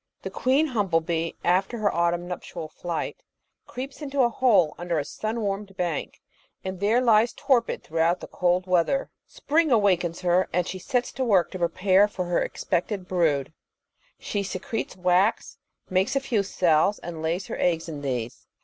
The queen humble bee, after her autumn nuptial flight, creeps into a hole under a sim warmed bank and there lies torpid thoughout the cold weather. Spring awakens her and she sets to work to prepare for her expected brood* She secretes wax, makes a few cells, and lays her eggs in these.